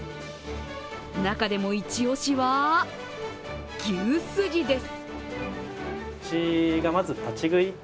中でもイチ押しは牛すじです。